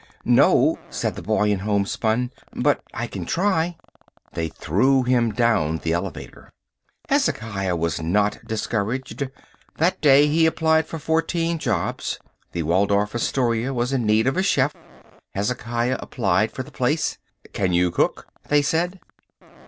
"No," said the boy in homespun, "but I can try." They threw him down the elevator. Hezekiah was not discouraged. That day he applied for fourteen jobs. The Waldorf Astoria was in need of a chef. Hezekiah applied for the place. "Can you cook?" they said.